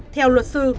theo luật sư